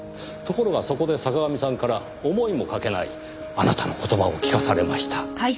ところがそこで坂上さんから思いもかけないあなたの言葉を聞かされました。